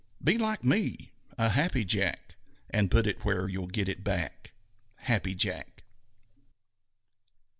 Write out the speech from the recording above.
Be like me a Happy Jack And put it where you'll get it back. _Happy Jack.